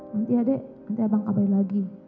nanti ya dek nanti ya bang kabar lagi